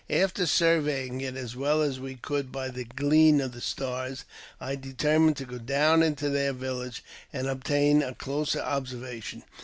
After surveying it as well as we could by the gleam of the stars, I determined to go down into their village,, and obtain a closer observation.